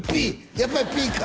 やっぱりピーか？